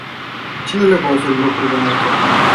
Cine le va oferi locuri de muncă?